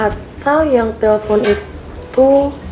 atau yang telpon itu